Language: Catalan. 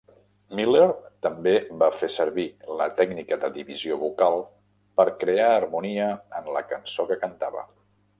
Miller també va fer servir la tècnica de divisió vocal per crear harmonia en la cançó que cantava.